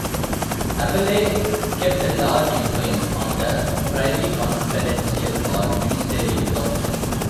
Abele kept a large influence on the Privy Conferencial or Ministerial Council.